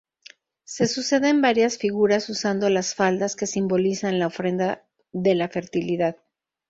Se suceden varias figuras, usando las faldas, que simbolizan la ofrenda de la fertilidad.